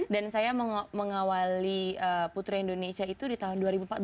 dan saya mengawali putri indonesia itu di tahun dua ribu empat belas